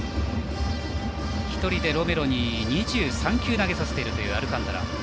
１人でロメロに２３球投げさせているアルカンタラ。